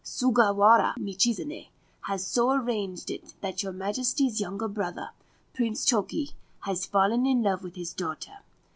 Sugawara Michizane has so arranged it that your Majesty's younger brother, Prince Toki, has fallen in love with his daughter.